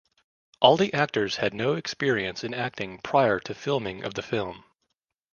All the actors had no experience in acting prior to filming of the film.